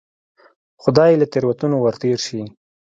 خدای یې له تېروتنو ورتېر شي.